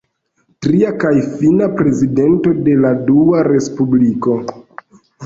Tria kaj fina prezidento de la Dua respubliko.